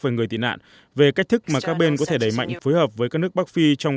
về người tị nạn về cách thức mà các bên có thể đẩy mạnh phối hợp với các nước bắc phi trong